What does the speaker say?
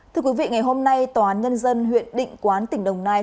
thưa quý vị ngày hôm nay tòa án nhân dân huyện định quán tỉnh đồng nai